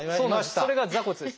それが座骨です。